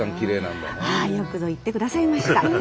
ああよくぞ言ってくださいました。